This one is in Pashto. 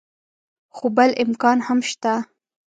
خو بل امکان هم شته.